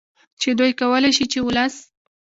چې دوی کولې شي چې ولس